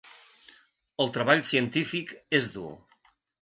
El treball científic és dur.